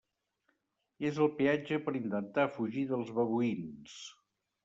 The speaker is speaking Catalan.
És el peatge per intentar fugir dels babuïns.